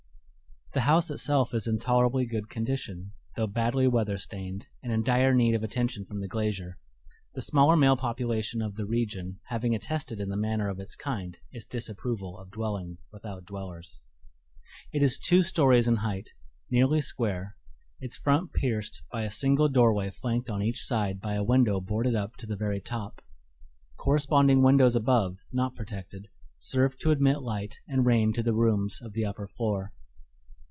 The house itself is in tolerably good condition, though badly weather stained and in dire need of attention from the glazier, the smaller male population of the region having attested in the manner of its kind its disapproval of dwelling without dwellers. It is two stories in height, nearly square, its front pierced by a single doorway flanked on each side by a window boarded up to the very top. Corresponding windows above, not protected, serve to admit light and rain to the rooms of the upper floor.